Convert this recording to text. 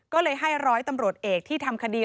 ก็เลยให้ร้อยตำรวจเอกที่ทำคดี